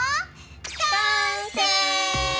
完成！